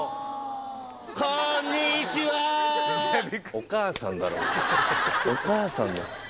お母さんだろお母さんだ。